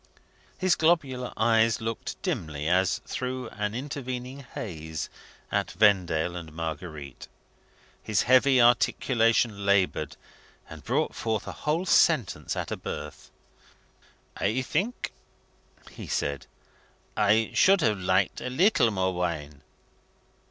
His globular eyes looked dimly, as through an intervening haze, at Vendale and Marguerite. His heavy articulation laboured, and brought forth a whole sentence at a birth. "I think," he said, "I should have liked a little more wine."